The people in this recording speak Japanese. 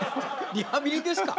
リハビリですか？